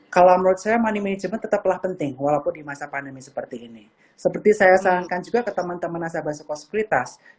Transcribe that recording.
kalau menurut saya money management tetaplah penting walaupun di masa pandemi seperti ini seperti saya sarankan juga ke teman teman nasabah sekolah sekuritas